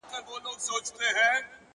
• شوم نهر وه په خپل ځان پوري حیران وه ,